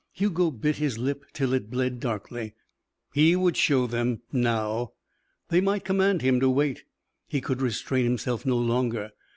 Hugo bit his lip till it bled darkly. He would show them now. They might command him to wait he could restrain himself no longer.